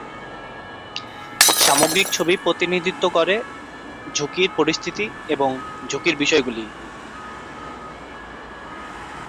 সামগ্রিক ছবি প্রতিনিধিত্ব করে ঝুঁকির পরিস্থিতি এবং ঝুঁকির বিষয়গুলির।